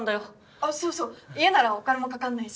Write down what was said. あっそうそう家ならお金もかかんないし。